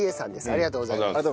ありがとうございます。